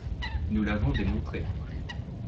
Nous l’avons démontré.